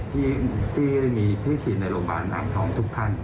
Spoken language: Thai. ที่มีผู้ฉีดในโรงพยาบาลนางทองทุกท่าน